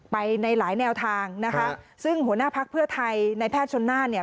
ไปในหลายแนวทางนะคะซึ่งหัวหน้าพักเพื่อไทยในแพทย์ชนหน้าเนี่ย